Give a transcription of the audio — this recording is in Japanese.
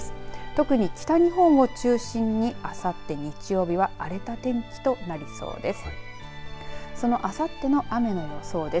特に北日本を中心にあさって日曜日は荒れた天気となりそうです。